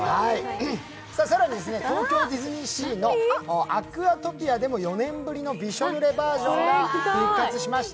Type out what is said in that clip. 更に、東京ディズニーシーのアクアトピアでも４年ぶりのびしょぬれバージョンが復活しました。